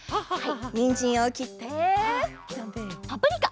にんじんをきってパプリカ！